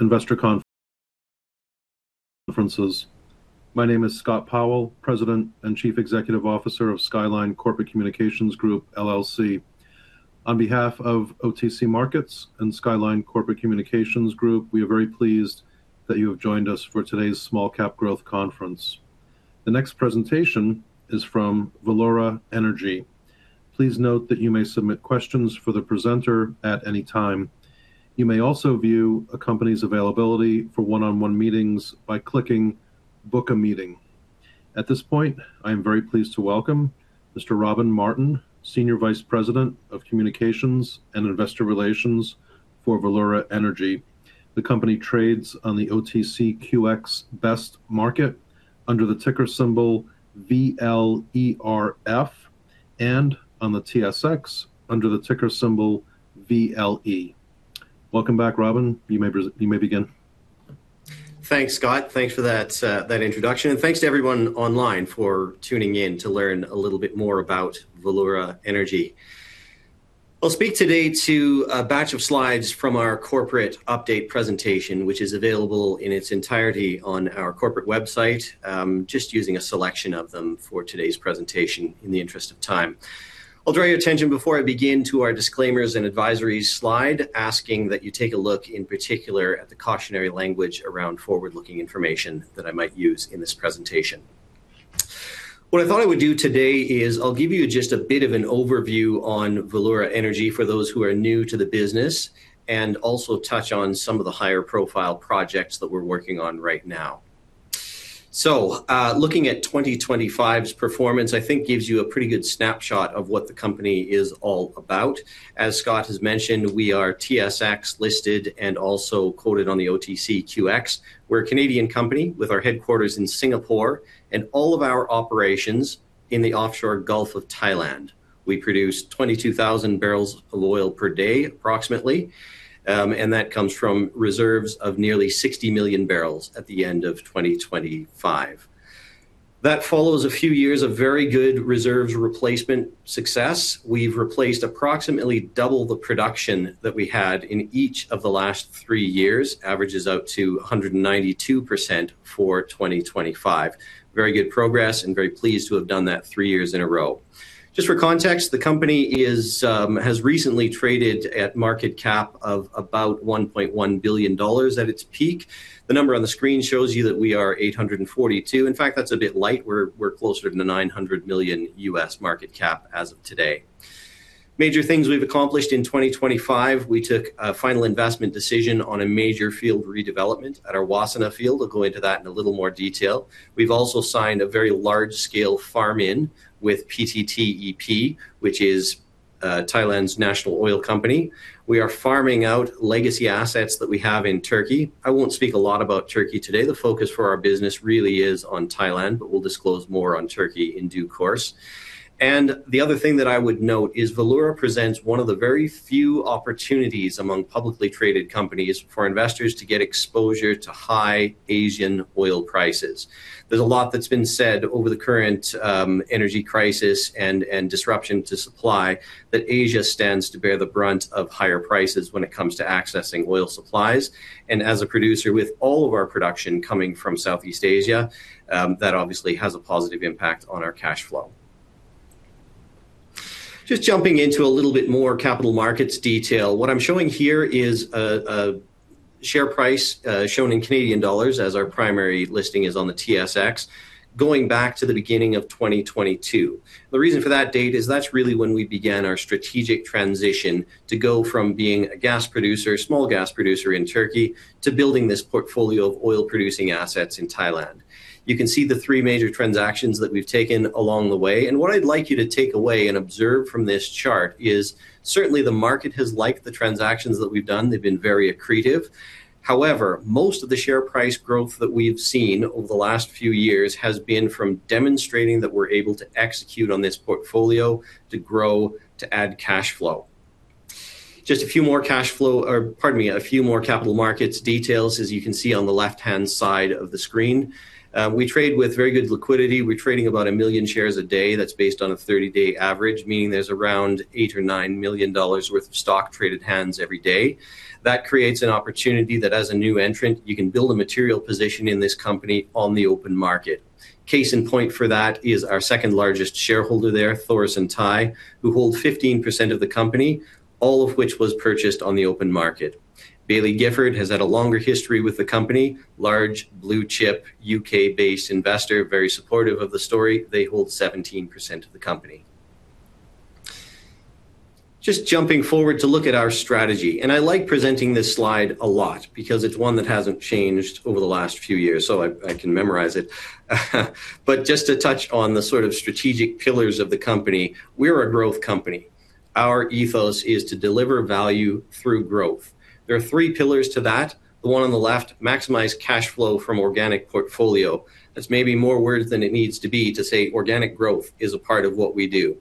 Investor conferences. My name is Scott Powell, President and Chief Executive Officer of Skyline Corporate Communications Group, LLC. On behalf of OTC Markets and Skyline Corporate Communications Group, we are very pleased that you have joined us for today's Small Cap Growth Conference. The next presentation is from Valeura Energy. Please note that you may submit questions for the presenter at any time. You may also view a company's availability for one-on-one meetings by clicking Book a Meeting. At this point, I am very pleased to welcome Mr. Robin Martin, Senior Vice President of Communications and Investor Relations for Valeura Energy. The company trades on the OTCQX Best Market under the ticker symbol VLERF, and on the TSX under the ticker symbol VLE. Welcome back, Robin. You may begin. Thanks, Scott. Thanks for that introduction, and thanks to everyone online for tuning in to learn a little bit more about Valeura Energy. I'll speak today to a batch of slides from our corporate update presentation, which is available in its entirety on our corporate website, just using a selection of them for today's presentation in the interest of time. I'll draw your attention before I begin to our disclaimers and advisories slide, asking that you take a look, in particular, at the cautionary language around forward-looking information that I might use in this presentation. What I thought I would do today is I'll give you just a bit of an overview on Valeura Energy for those who are new to the business, and also touch on some of the higher-profile projects that we're working on right now. Looking at 2025's performance, I think gives you a pretty good snapshot of what the company is all about. As Scott has mentioned, we are TSX listed and also quoted on the OTCQX. We're a Canadian company with our headquarters in Singapore, and all of our operations in the offshore Gulf of Thailand. We produce 22,000 barrels of oil per day, approximately. That comes from reserves of nearly 60 million barrels at the end of 2025. That follows a few years of very good reserves replacement success. We've replaced approximately double the production that we had in each of the last three years, averages out to 192% for 2025. Very good progress, and very pleased to have done that three years in a row. Just for context, the company has recently traded at market cap of about $1.1 billion at its peak. The number on the screen shows you that we are $842. In fact, that's a bit light. We're closer to the $900 million US market cap as of today. Major things we've accomplished in 2025, we took a final investment decision on a major field redevelopment at our Wassana field. I'll go into that in a little more detail. We've also signed a very large-scale farm-in with PTTEP, which is Thailand's national oil company. We are farming out legacy assets that we have in Turkey. I won't speak a lot about Turkey today. The focus for our business really is on Thailand, but we'll disclose more on Turkey in due course. The other thing that I would note is Valeura presents one of the very few opportunities among publicly traded companies for investors to get exposure to high Asian oil prices. There's a lot that's been said over the current energy crisis and disruption to supply that Asia stands to bear the brunt of higher prices when it comes to accessing oil supplies. As a producer, with all of our production coming from Southeast Asia, that obviously has a positive impact on our cash flow. Just jumping into a little bit more capital markets detail. What I'm showing here is a share price shown in Canadian dollars, as our primary listing is on the TSX, going back to the beginning of 2022. The reason for that date is that's really when we began our strategic transition to go from being a small gas producer in Turkey to building this portfolio of oil-producing assets in Thailand. You can see the three major transactions that we've taken along the way. What I'd like you to take away and observe from this chart is certainly the market has liked the transactions that we've done. They've been very accretive. However, most of the share price growth that we've seen over the last few years has been from demonstrating that we're able to execute on this portfolio to grow, to add cash flow. Just a few more capital markets details, as you can see on the left-hand side of the screen. We trade with very good liquidity. We're trading about 1 million shares a day. That's based on a 30-day average, meaning there's around $8 million or $9 million worth of stock traded hands every day. That creates an opportunity that, as a new entrant, you can build a material position in this company on the open market. Case in point for that is our second-largest shareholder there, Thoresen Thai, who hold 15% of the company, all of which was purchased on the open market. Baillie Gifford has had a longer history with the company, large, blue-chip, U.K.-based investor, very supportive of the story. They hold 17% of the company. I like presenting this slide a lot because it's one that hasn't changed over the last few years, so I can memorize it. Just to touch on the sort of strategic pillars of the company, we're a growth company. Our ethos is to deliver value through growth. There are three pillars to that. The one on the left, maximize cash flow from organic portfolio. That's maybe more words than it needs to be to say organic growth is a part of what we do.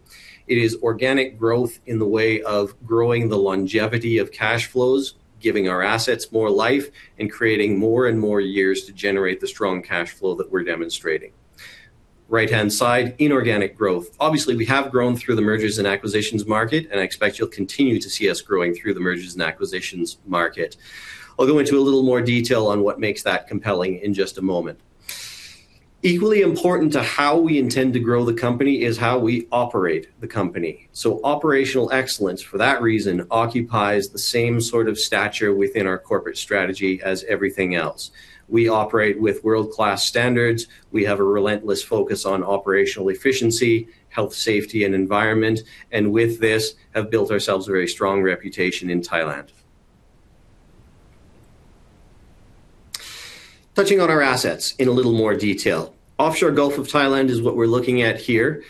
It is organic growth in the way of growing the longevity of cash flows, giving our assets more life, and creating more and more years to generate the strong cash flow that we're demonstrating. Right-hand side, inorganic growth. Obviously, we have grown through the mergers and acquisitions market, and I expect you'll continue to see us growing through the mergers and acquisitions market. I'll go into a little more detail on what makes that compelling in just a moment. Equally important to how we intend to grow the company is how we operate the company. Operational excellence, for that reason, occupies the same sort of stature within our corporate strategy as everything else. We operate with world-class standards. We have a relentless focus on operational efficiency, health, safety, and environment, and with this, have built ourselves a very strong reputation in Thailand. Touching on our assets in a little more detail. Offshore Gulf of Thailand is what we're looking at here.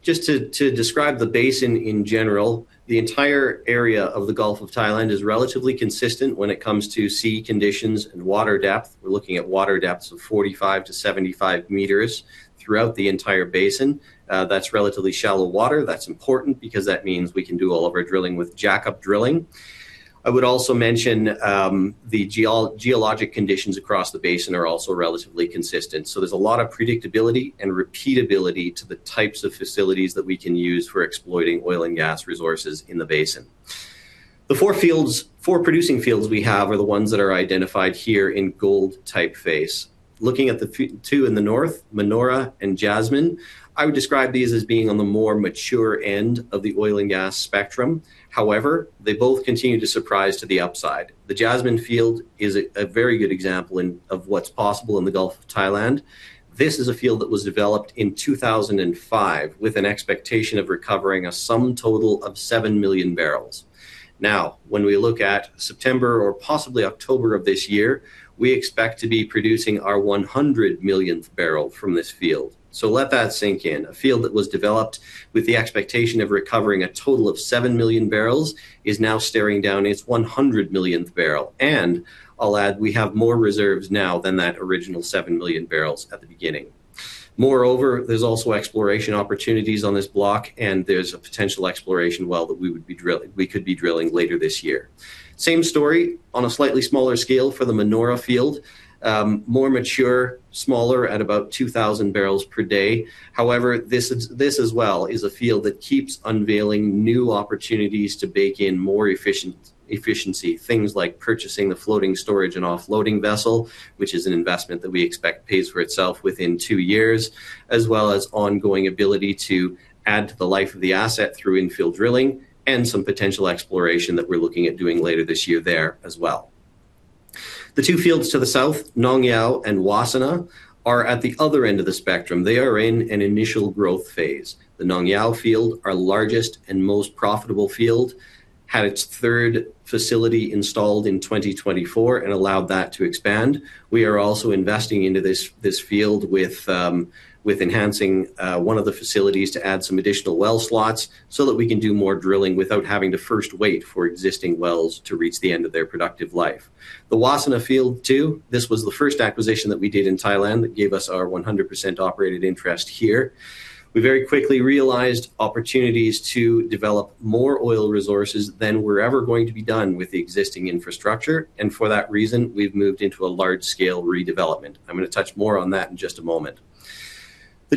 Just to describe the basin in general, the entire area of the Gulf of Thailand is relatively consistent when it comes to sea conditions and water depth. We're looking at water depths of 45m-75 m throughout the entire basin. That's relatively shallow water. That's important because that means we can do all of our drilling with jackup drilling. I would also mention the geologic conditions across the basin are also relatively consistent. There's a lot of predictability and repeatability to the types of facilities that we can use for exploiting oil and gas resources in the basin. The four producing fields we have are the ones that are identified here in gold typeface. Looking at the two in the north, Manora and Jasmine, I would describe these as being on the more mature end of the oil and gas spectrum. They both continue to surprise to the upside. The Jasmine field is a very good example of what's possible in the Gulf of Thailand. This is a field that was developed in 2005 with an expectation of recovering a sum total of seven million barrels. When we look at September or possibly October of this year, we expect to be producing our 100 millionth barrel from this field. Let that sink in. A field that was developed with the expectation of recovering a total of seven million barrels is now staring down its 100 millionth barrel. I'll add, we have more reserves now than that original seven million barrels at the beginning. Moreover, there's also exploration opportunities on this block, and there's a potential exploration well that we could be drilling later this year. Same story on a slightly smaller scale for the Manora field. More mature, smaller at about 2,000 barrels per day. However, this as well is a field that keeps unveiling new opportunities to bake in more efficiency. Things like purchasing the floating storage and offloading vessel, which is an investment that we expect pays for itself within two years, as well as ongoing ability to add to the life of the asset through infield drilling and some potential exploration that we're looking at doing later this year there as well. The two fields to the south, Nong Yao and Wassana, are at the other end of the spectrum. They are in an initial growth phase. The Nong Yao field, our largest and most profitable field, had its third facility installed in 2024 and allowed that to expand. We are also investing into this field with enhancing one of the facilities to add some additional well slots so that we can do more drilling without having to first wait for existing wells to reach the end of their productive life. The Wassana field, too, this was the first acquisition that we did in Thailand that gave us our 100% operated interest here. We very quickly realized opportunities to develop more oil resources than were ever going to be done with the existing infrastructure, and for that reason, we've moved into a large-scale redevelopment. I'm going to touch more on that in just a moment. The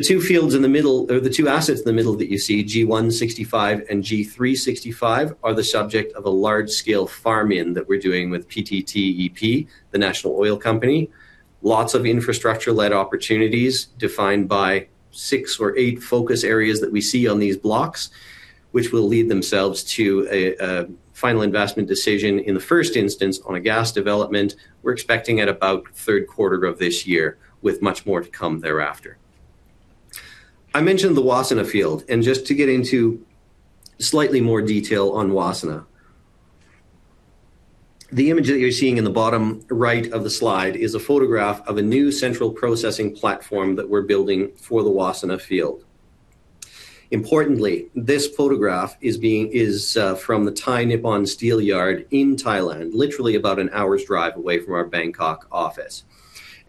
two assets in the middle that you see, G1/65 and G3/65, are the subject of a large-scale farm-in that we're doing with PTTEP, the national oil company. Lots of infrastructure-led opportunities defined by six or eight focus areas that we see on these blocks, which will lead themselves to a final investment decision in the first instance on a gas development we're expecting at about the third quarter of this year, with much more to come thereafter. I mentioned the Wassana field, and just to get into slightly more detail on Wassana. The image that you're seeing in the bottom right of the slide is a photograph of a new central processing platform that we're building for the Wassana field. Importantly, this photograph is from the Thai Nippon Steel yard in Thailand, literally about an hour's drive away from our Bangkok office.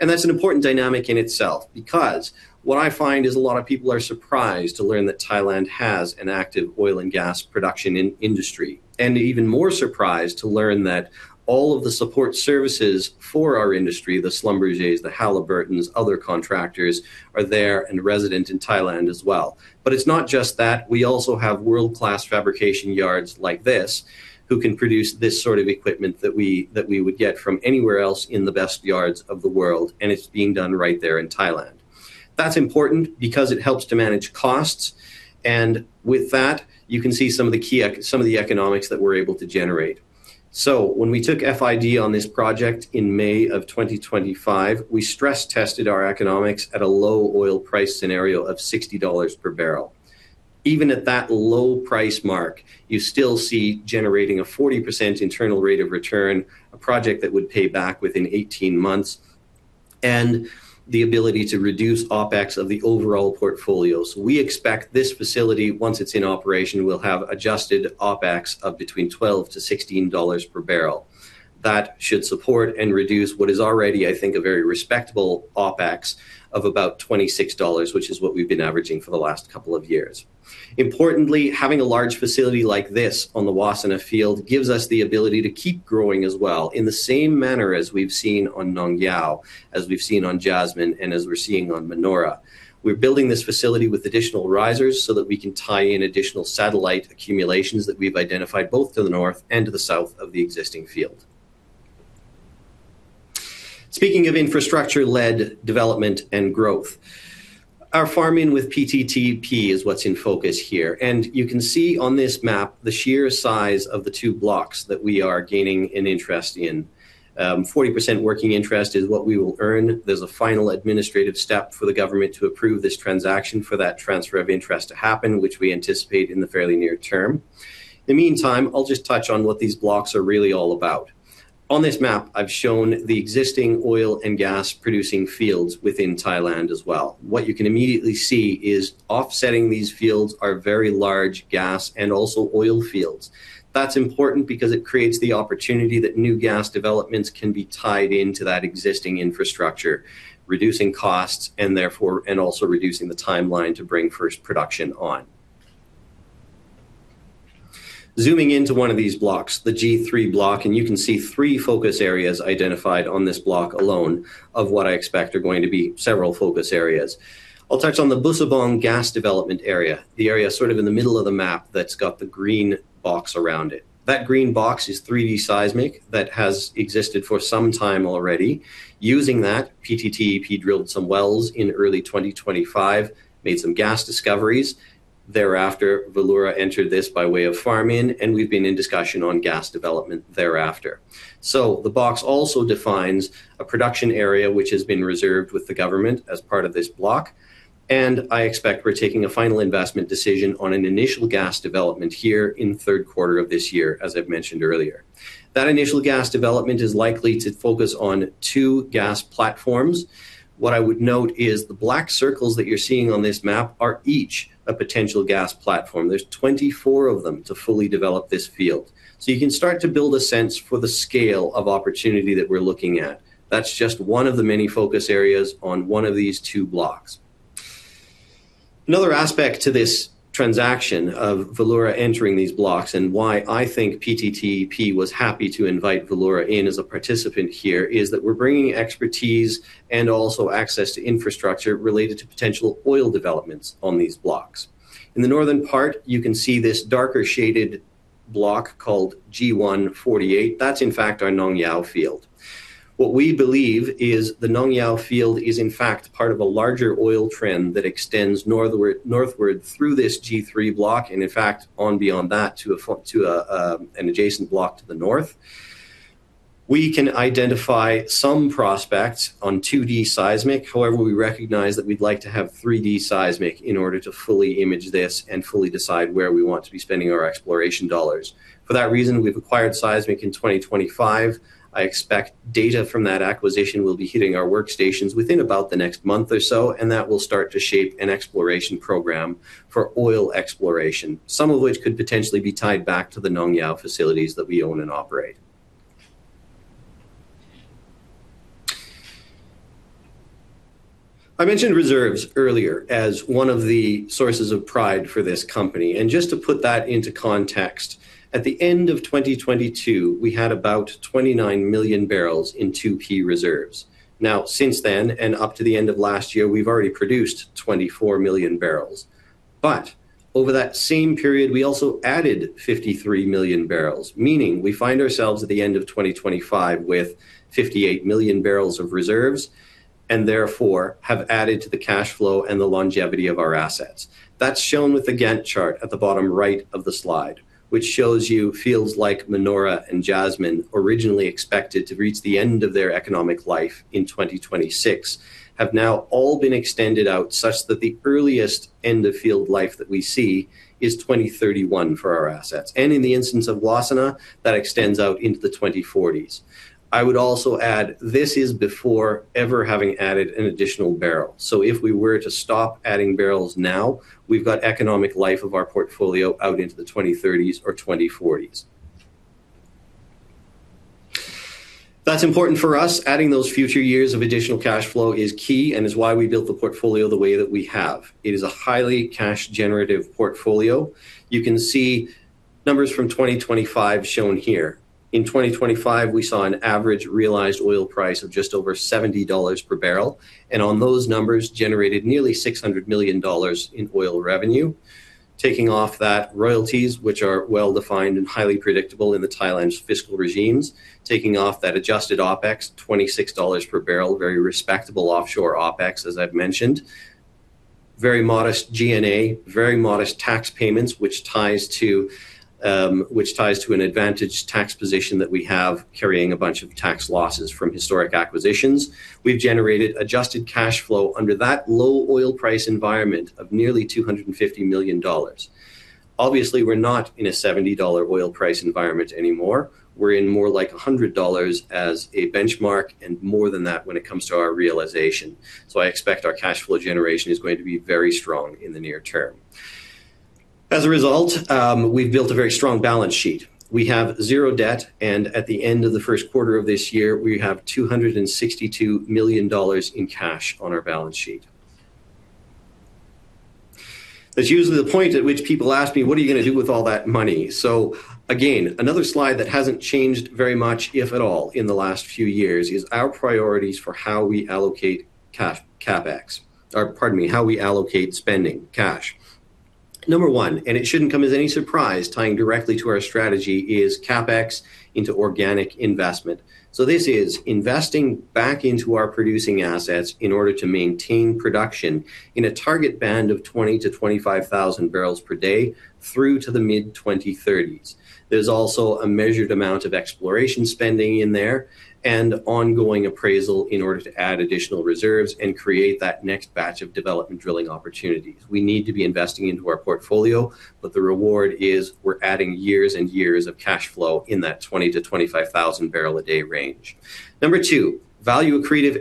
That's an important dynamic in itself because what I find is a lot of people are surprised to learn that Thailand has an active oil and gas production industry, and even more surprised to learn that all of the support services for our industry, the Schlumbergers, the Halliburtons, other contractors, are there and resident in Thailand as well. It's not just that. We also have world-class fabrication yards like this who can produce this sort of equipment that we would get from anywhere else in the best yards of the world, and it's being done right there in Thailand. That's important because it helps to manage costs, and with that, you can see some of the economics that we're able to generate. When we took FID on this project in May of 2025, we stress-tested our economics at a low oil price scenario of $60 per barrel. Even at that low price mark, you still see generating a 40% internal rate of return, a project that would pay back within 18 months, and the ability to reduce OpEx of the overall portfolio. We expect this facility, once it's in operation, will have adjusted OpEx of between $12 to $16 per barrel. That should support and reduce what is already, I think, a very respectable OpEx of about $26, which is what we've been averaging for the last couple of years. Importantly, having a large facility like this on the Wassana field gives us the ability to keep growing as well in the same manner as we've seen on Nong Yao, as we've seen on Jasmine, and as we're seeing on Manora. We're building this facility with additional risers so that we can tie in additional satellite accumulations that we've identified both to the north and to the south of the existing field. Speaking of infrastructure-led development and growth, our farm-in with PTTEP is what's in focus here. You can see on this map the sheer size of the two blocks that we are gaining an interest in. 40% working interest is what we will earn. There's a final administrative step for the government to approve this transaction for that transfer of interest to happen, which we anticipate in the fairly near term. In the meantime, I'll just touch on what these blocks are really all about. On this map, I've shown the existing oil and gas producing fields within Thailand as well. What you can immediately see is offsetting these fields are very large gas and also oil fields. That's important because it creates the opportunity that new gas developments can be tied into that existing infrastructure, reducing costs and also reducing the timeline to bring first production on. Zooming into one of these blocks, the G3 block, you can see three focus areas identified on this block alone of what I expect are going to be several focus areas. I'll touch on the Bussabong gas development area, the area sort of in the middle of the map that's got the green box around it. That green box is 3D seismic that has existed for some time already. Using that, PTTEP drilled some wells in early 2025, made some gas discoveries. Thereafter, Valeura entered this by way of farm-in, and we've been in discussion on gas development thereafter. The box also defines a production area, which has been reserved with the government as part of this block, and I expect we're taking a final investment decision on an initial gas development here in the third quarter of this year, as I've mentioned earlier. That initial gas development is likely to focus on two gas platforms. What I would note is the black circles that you're seeing on this map are each a potential gas platform. There's 24 of them to fully develop this field. You can start to build a sense for the scale of opportunity that we're looking at. That's just one of the many focus areas on one of these two blocks. Another aspect to this transaction of Valeura entering these blocks, and why I think PTTEP was happy to invite Valeura in as a participant here, is that we're bringing expertise and also access to infrastructure related to potential oil developments on these blocks. In the northern part, you can see this darker shaded block called G1/48. That's in fact our Nong Yao field. What we believe is the Nong Yao field is in fact part of a larger oil trend that extends northward through this G3 block, and in fact, on beyond that to an adjacent block to the north. We can identify some prospects on 2D seismic. However, we recognize that we'd like to have 3D seismic in order to fully image this and fully decide where we want to be spending our exploration dollars. For that reason, we've acquired seismic in 2025. I expect data from that acquisition will be hitting our workstations within about the next month or so, and that will start to shape an exploration program for oil exploration, some of which could potentially be tied back to the Nong Yao facilities that we own and operate. I mentioned reserves earlier as one of the sources of pride for this company. Just to put that into context, at the end of 2022, we had about 29 million barrels in 2P reserves. Now, since then, and up to the end of last year, we've already produced 24 million barrels. Over that same period, we also added 53 million barrels, meaning we find ourselves at the end of 2025 with 58 million barrels of reserves, and therefore have added to the cash flow and the longevity of our assets. That's shown with the Gantt chart at the bottom right of the slide, which shows you fields like Manora and Jasmine, originally expected to reach the end of their economic life in 2026, have now all been extended out such that the earliest end of field life that we see is 2031 for our assets. In the instance of Wassana, that extends out into the 2040s. I would also add, this is before ever having added an additional barrel. If we were to stop adding barrels now, we've got economic life of our portfolio out into the 2030s or 2040s. That's important for us. Adding those future years of additional cash flow is key and is why we built the portfolio the way that we have. It is a highly cash generative portfolio. You can see numbers from 2025 shown here. In 2025, we saw an average realized oil price of just over $70 per barrel, and on those numbers generated nearly $600 million in oil revenue. Taking off that royalties, which are well-defined and highly predictable in the Thailand fiscal regimes. Taking off that adjusted OpEx, $26 per barrel. Very respectable offshore OpEx, as I've mentioned. Very modest G&A, very modest tax payments, which ties to an advantaged tax position that we have carrying a bunch of tax losses from historic acquisitions. We've generated adjusted cash flow under that low oil price environment of nearly $250 million. Obviously, we're not in a $70 oil price environment anymore. We're in more like $100 as a benchmark, and more than that when it comes to our realization. I expect our cash flow generation is going to be very strong in the near term. As a result, we've built a very strong balance sheet. We have zero debt, and at the end of the first quarter of this year, we have $262 million in cash on our balance sheet. That's usually the point at which people ask me, what are you going to do with all that money? Again, another slide that hasn't changed very much, if at all, in the last few years is our priorities for how we allocate spending cash. Number one, and it shouldn't come as any surprise, tying directly to our strategy is CapEx into organic investment. This is investing back into our producing assets in order to maintain production in a target band of 20,000-25,000 barrels per day through to the mid-2030s. There's also a measured amount of exploration spending in there and ongoing appraisal in order to add additional reserves and create that next batch of development drilling opportunities. We need to be investing into our portfolio, the reward is we're adding years and years of cash flow in that 20,000-25,000 barrel a day range. Number two, value accretive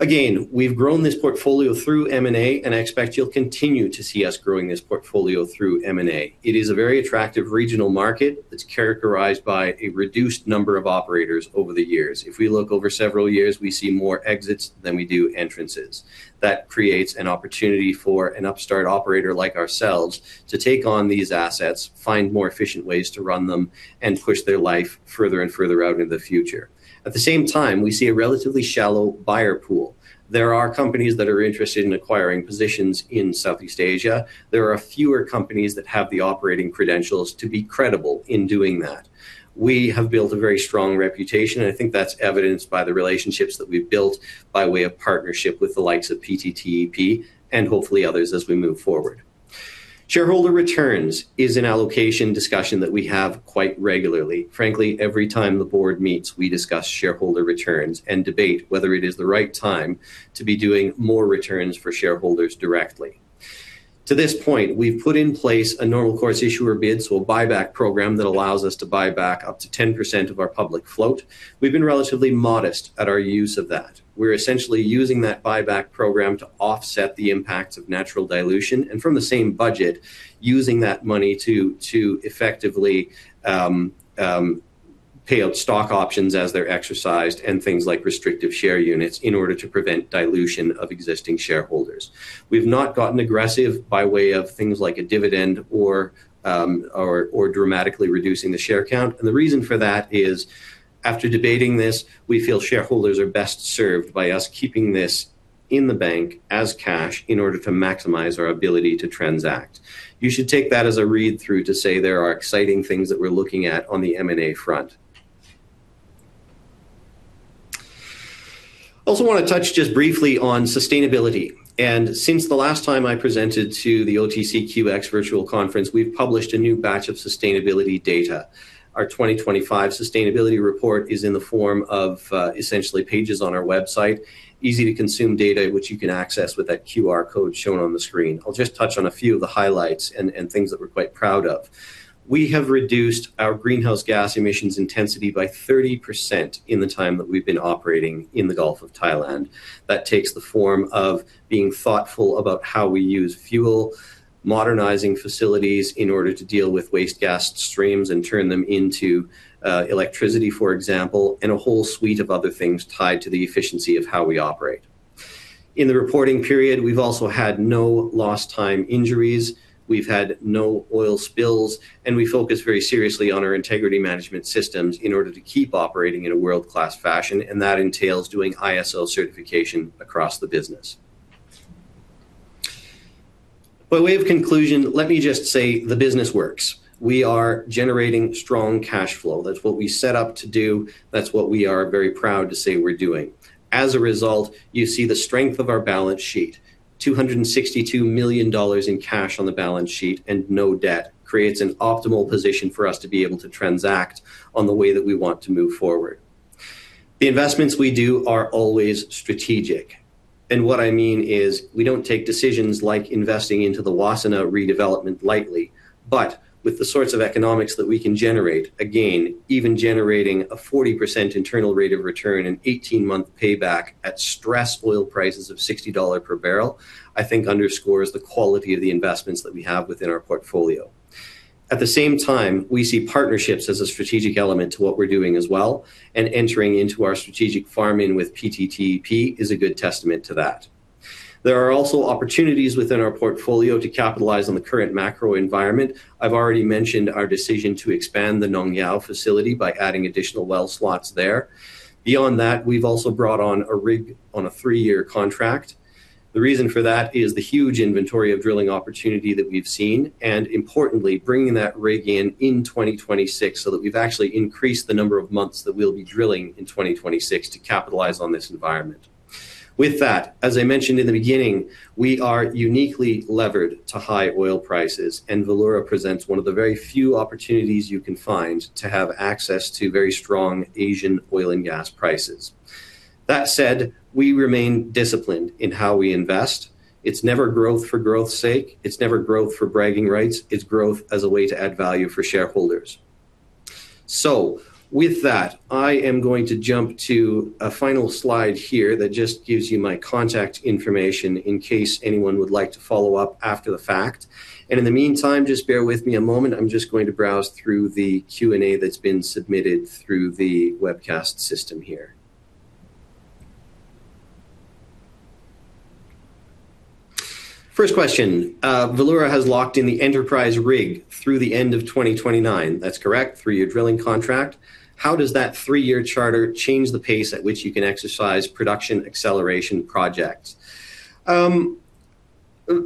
M&A. We've grown this portfolio through M&A, and I expect you'll continue to see us growing this portfolio through M&A. It is a very attractive regional market that's characterized by a reduced number of operators over the years. If we look over several years, we see more exits than we do entrances. That creates an opportunity for an upstart operator like ourselves to take on these assets, find more efficient ways to run them, and push their life further and further out into the future. At the same time, we see a relatively shallow buyer pool. There are companies that are interested in acquiring positions in Southeast Asia. There are fewer companies that have the operating credentials to be credible in doing that. We have built a very strong reputation. I think that's evidenced by the relationships that we've built by way of partnership with the likes of PTTEP and hopefully others as we move forward. Shareholder returns is an allocation discussion that we have quite regularly. Frankly, every time the board meets, we discuss shareholder returns and debate whether it is the right time to be doing more returns for shareholders directly. To this point, we've put in place a normal course issuer bid, so a buyback program that allows us to buy back up to 10% of our public float. We've been relatively modest at our use of that. We're essentially using that buyback program to offset the impact of natural dilution. From the same budget, using that money to effectively pay out stock options as they're exercised and things like restricted share units in order to prevent dilution of existing shareholders. We've not gotten aggressive by way of things like a dividend or dramatically reducing the share count. The reason for that is, after debating this, we feel shareholders are best served by us keeping this in the bank as cash in order to maximize our ability to transact. You should take that as a read-through to say there are exciting things that we're looking at on the M&A front. I also want to touch just briefly on sustainability. Since the last time I presented to the OTCQX Virtual Conference, we've published a new batch of sustainability data. Our 2025 sustainability report is in the form of essentially pages on our website, easy-to-consume data, which you can access with that QR code shown on the screen. I'll just touch on a few of the highlights and things that we're quite proud of. We have reduced our greenhouse gas emissions intensity by 30% in the time that we've been operating in the Gulf of Thailand. That takes the form of being thoughtful about how we use fuel, modernizing facilities in order to deal with waste gas streams and turn them into electricity, for example, and a whole suite of other things tied to the efficiency of how we operate. In the reporting period, we've also had no lost time injuries, we've had no oil spills, and we focus very seriously on our integrity management systems in order to keep operating in a world-class fashion, and that entails doing ISO certification across the business. By way of conclusion, let me just say the business works. We are generating strong cash flow. That's what we set up to do. That's what we are very proud to say we're doing. As a result, you see the strength of our balance sheet, $262 million in cash on the balance sheet and no debt creates an optimal position for us to be able to transact on the way that we want to move forward. The investments we do are always strategic, and what I mean is we don't take decisions like investing into the Wassana redevelopment lightly, but with the sorts of economics that we can generate, again, even generating a 40% internal rate of return and 18-month payback at stress oil prices of $60 per barrel, I think underscores the quality of the investments that we have within our portfolio. At the same time, we see partnerships as a strategic element to what we're doing as well, entering into our strategic farm-in with PTTEP is a good testament to that. There are also opportunities within our portfolio to capitalize on the current macro environment. I've already mentioned our decision to expand the Nong Yao facility by adding additional well slots there. Beyond that, we've also brought on a rig on a three-year contract. The reason for that is the huge inventory of drilling opportunity that we've seen, and importantly, bringing that rig in in 2026 so that we've actually increased the number of months that we'll be drilling in 2026 to capitalize on this environment. With that, as I mentioned in the beginning, we are uniquely levered to high oil prices, and Valeura presents one of the very few opportunities you can find to have access to very strong Asian oil and gas prices. That said, we remain disciplined in how we invest. It's never growth for growth's sake. It's never growth for bragging rights. It's growth as a way to add value for shareholders. With that, I am going to jump to a final slide here that just gives you my contact information in case anyone would like to follow up after the fact. In the meantime, just bear with me a moment. I'm just going to browse through the Q&A that's been submitted through the webcast system here. First question, Valeura has locked in the Enterprise rig through the end of 2029. That's correct, three-year drilling contract. How does that three-year charter change the pace at which you can exercise production acceleration projects?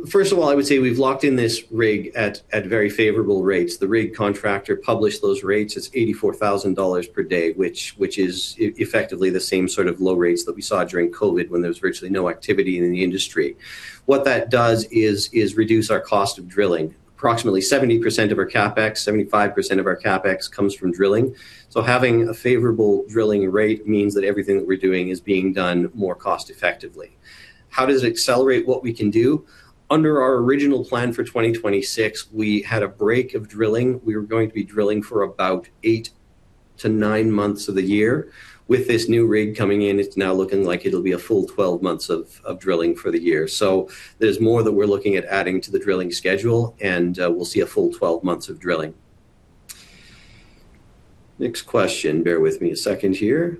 First of all, I would say we've locked in this rig at very favorable rates. The rig contractor published those rates as $84,000 per day, which is effectively the same sort of low rates that we saw during COVID when there was virtually no activity in the industry. What that does is reduce our cost of drilling. Approximately 70% of our CapEx, 75% of our CapEx comes from drilling. Having a favorable drilling rate means that everything that we're doing is being done more cost effectively. How does it accelerate what we can do? Under our original plan for 2026, we had a break of drilling. We were going to be drilling for about eight to nine months of the year. With this new rig coming in, it's now looking like it'll be a full 12 months of drilling for the year. There's more that we're looking at adding to the drilling schedule and we'll see a full 12 months of drilling. Next question. Bear with me a second here.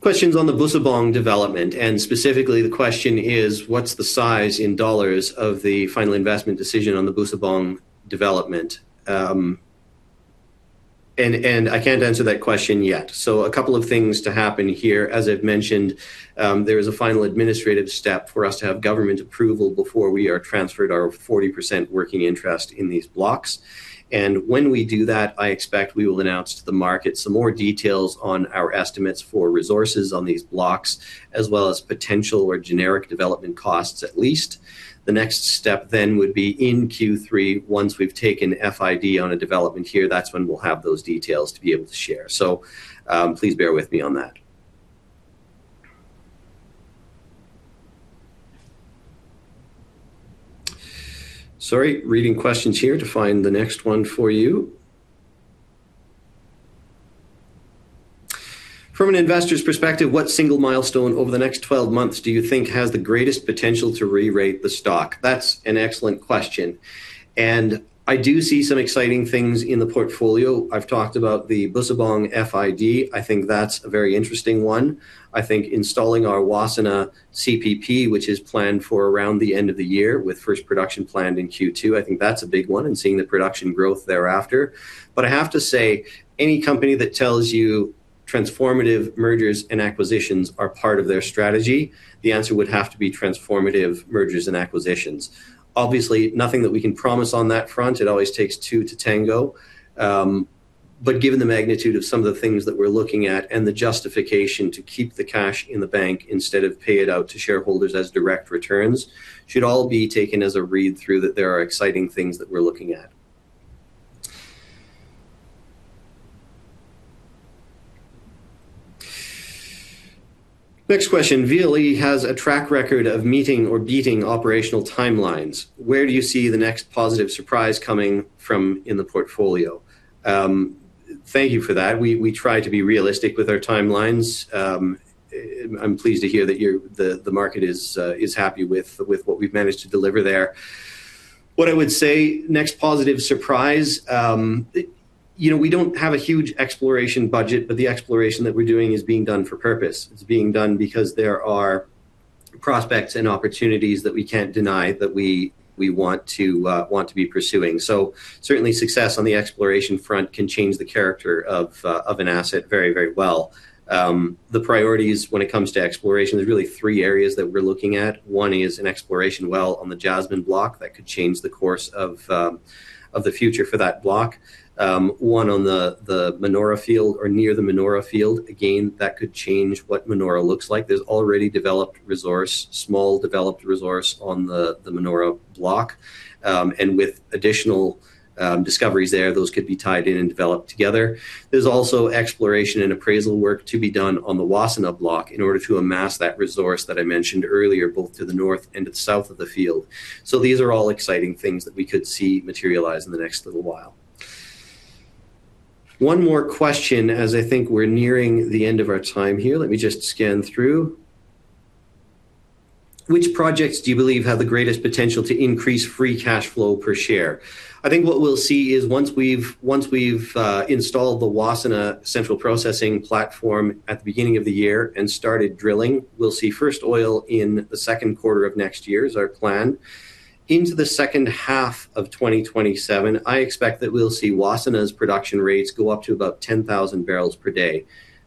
Questions on the Bussabong development, specifically the question is, what's the size in dollars of the final investment decision on the Bussabong development? I can't answer that question yet. A couple of things to happen here. As I've mentioned, there is a final administrative step for us to have government approval before we are transferred our 40% working interest in these blocks. When we do that, I expect we will announce to the market some more details on our estimates for resources on these blocks, as well as potential or generic development costs at least. The next step then would be in Q3, once we've taken FID on a development here, that's when we'll have those details to be able to share. Please bear with me on that. Sorry, reading questions here to find the next one for you. From an investor's perspective, what single milestone over the next 12 months do you think has the greatest potential to re-rate the stock? That's an excellent question, and I do see some exciting things in the portfolio. I've talked about the Bussabong FID. I think that's a very interesting one. I think installing our Wassana CPP, which is planned for around the end of the year with first production planned in Q2, I think that's a big one, and seeing the production growth thereafter. I have to say, any company that tells you transformative mergers and acquisitions are part of their strategy, the answer would have to be transformative mergers and acquisitions. Obviously, nothing that we can promise on that front. It always takes two to tango. Given the magnitude of some of the things that we're looking at and the justification to keep the cash in the bank instead of pay it out to shareholders as direct returns, should all be taken as a read-through that there are exciting things that we're looking at. Next question. VLE has a track record of meeting or beating operational timelines. Where do you see the next positive surprise coming from in the portfolio? Thank you for that. We try to be realistic with our timelines. I'm pleased to hear that the market is happy with what we've managed to deliver there. What I would say, next positive surprise, we don't have a huge exploration budget, but the exploration that we're doing is being done for purpose. It's being done because there are prospects and opportunities that we can't deny that we want to be pursuing. Certainly success on the exploration front can change the character of an asset very well. The priorities when it comes to exploration, there's really three areas that we're looking at. One is an exploration well on the Jasmine block that could change the course of the future for that block. One on the Manora field or near the Manora field. That could change what Manora looks like. There's already developed resource, small developed resource on the Manora block. With additional discoveries there, those could be tied in and developed together. There's also exploration and appraisal work to be done on the Wassana block in order to amass that resource that I mentioned earlier, both to the north and to the south of the field. These are all exciting things that we could see materialize in the next little while. One more question as I think we're nearing the end of our time here. Let me just scan through. Which projects do you believe have the greatest potential to increase free cash flow per share?" I think what we'll see is once we've installed the Wassana central processing platform at the beginning of the year and started drilling, we'll see first oil in the second quarter of next year is our plan. Into the second half of 2027, I expect that we'll see Wassana's production rates go up to about 10,000 barrels per day.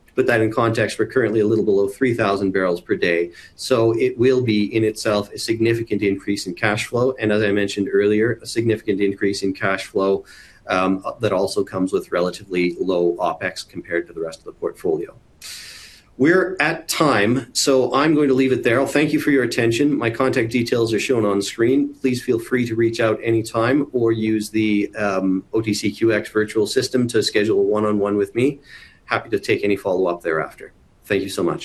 To put that in context, we're currently a little below 3,000 barrels per day. It will be in itself a significant increase in cash flow, and as I mentioned earlier, a significant increase in cash flow that also comes with relatively low OpEx compared to the rest of the portfolio. We're at time, so I'm going to leave it there. Thank you for your attention. My contact details are shown on screen. Please feel free to reach out anytime or use the OTCQX virtual system to schedule a one-on-one with me. Happy to take any follow-up thereafter. Thank you so much.